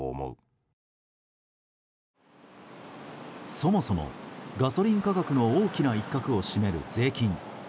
そもそも、ガソリン価格の大きな一角を占める税金。